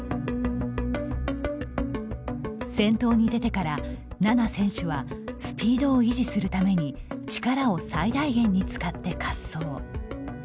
先頭に出てから、菜那選手はスピードを維持するために力を最大限に使って滑走。